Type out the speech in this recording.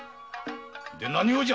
で何用じゃ！